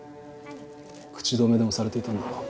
口止めでもされていたんだろう。